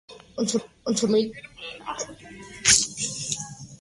De este modo, las preocupaciones reemplazaron la clara confianza del faraón.